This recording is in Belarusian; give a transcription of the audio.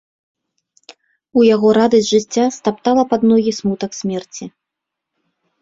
У яго радасць жыцця стаптала пад ногі смутак смерці.